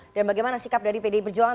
dan bagaimana sikap dari pdi perjuangan